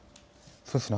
そうですね。